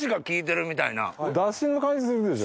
出汁の感じするでしょ？